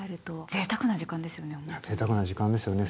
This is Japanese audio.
ぜいたくな時間ですよね。